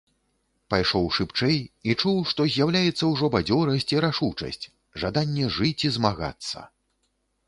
Пайшоў шыбчэй і чуў, што з'яўляецца ўжо бадзёрасць і рашучасць, жаданне жыць і змагацца.